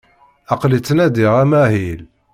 Aqli ttnadiɣ amahil.